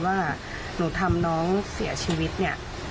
ว่าหนูทำน้องเสียชีวิตเนี่ย